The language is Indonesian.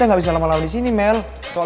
aku ga bisa lanjutin mu aaron